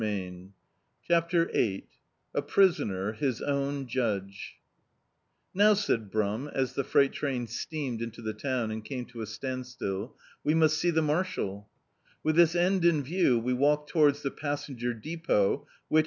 db, Google CHAPTER Vni A PKISONER HIS OWN JUDGE "Tk TOW," said Brum, as the frei^t train I^L I steamed into the town and came to a X ^ standstill, "we must see the marshal." With this end in view we walked towards the pas senger depot, which.